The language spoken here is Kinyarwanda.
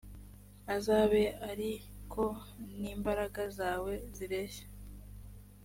azabe ari ko n’imbaraga zawe zireshya.